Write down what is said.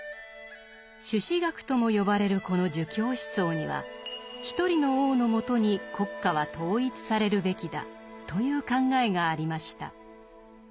「朱子学」とも呼ばれるこの儒教思想には「一人の王のもとに国家は統一されるべきだ」という考えがありました。